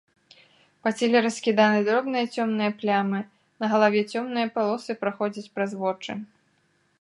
Па целе раскіданы дробныя цёмныя плямы, на галаве цёмныя палосы праходзяць праз вочы.